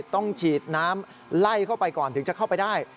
ต้องฉีดน้ำไล่เข้าไปก่อนถึงจะเข้าไปได้